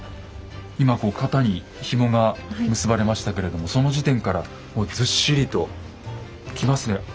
今こう肩にひもが結ばれましたけれどもその時点からもうずっしりときますね。